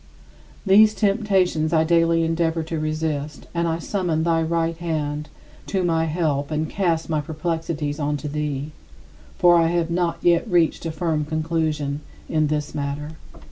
These temptations I daily endeavor to resist and I summon thy right hand to my help and cast my perplexities onto thee, for I have not yet reached a firm conclusion in this matter.